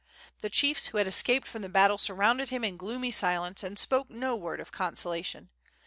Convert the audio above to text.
The chiefs who had escaped from the battle surrounded him in gloomy silence, and spoke no word of consolation.